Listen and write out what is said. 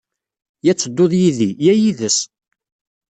Ya ad ttedduḍ yid-i, ya yid-s.